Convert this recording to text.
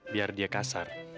biar dia kasar